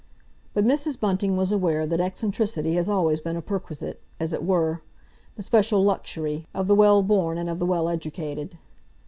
But Mrs. Bunting was aware that eccentricity has always been a perquisite, as it were the special luxury, of the well born and of the well educated.